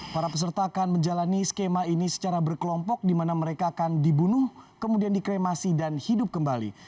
para peserta akan menjalani skema ini secara berkelompok di mana mereka akan dibunuh kemudian dikremasi dan hidup kembali